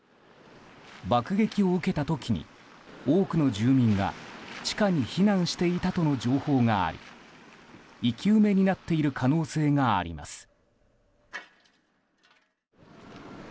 爆撃を受けた時に多くの住民が地下に避難していたとの情報があり生き埋めになっている可能性があります。